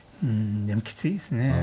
うんでもきついですね。